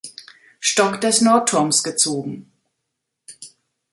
Stock des Nordturms gezogen.